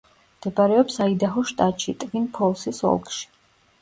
მდებარეობს აიდაჰოს შტატში, ტვინ-ფოლსის ოლქში.